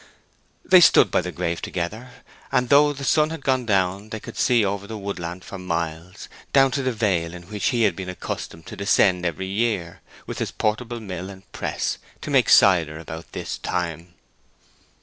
They stood by the grave together, and though the sun had gone down, they could see over the woodland for miles, and down to the vale in which he had been accustomed to descend every year, with his portable mill and press, to make cider about this time.